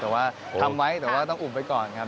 แต่ว่าทำไว้แต่ว่าต้องอุ่มไปก่อนครับ